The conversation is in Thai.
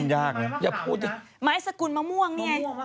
ไม้สกุลมะม่วงเนี่ย